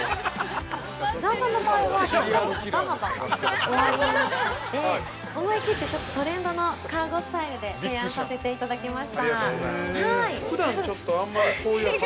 ◆伊沢さんの場合はしっかり肩幅がおありになったので思い切ってトレンドのカーゴスタイルで提案させていただきました。